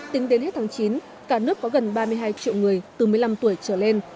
tính đến hết tháng chín cả nước có gần ba mươi hai triệu người từ một mươi năm tuổi trở lên